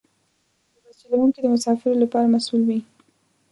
د بس چلوونکي د مسافرو لپاره مسؤل وي.